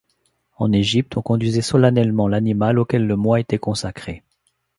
En Égypte, on conduisait solennellement l'animal auquel le mois était consacré.